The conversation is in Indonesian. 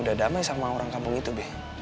udah damai sama orang kampung itu be